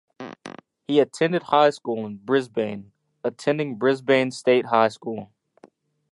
He attended high school in Brisbane, attending Brisbane State High School.